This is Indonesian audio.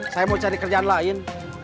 saya mau cari kerjaan lain